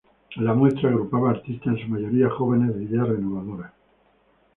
La muestra agrupaba a artistas, en su mayoría jóvenes de ideas renovadoras.